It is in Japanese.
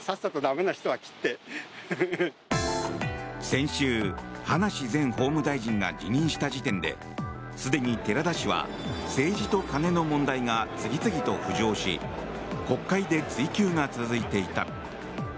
先週、葉梨前法務大臣が辞任した時点ですでに寺田氏は政治と金の問題が次々と浮上し国会で追及が続いていた。